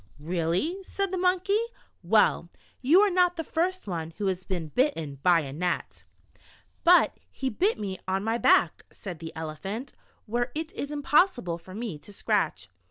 "Really?" said the Monkey. "Well, you are not the first one who has been bitten by a gnat." "But he bit me on my back," said the Ele phant, "where it is impossible for me to scratch.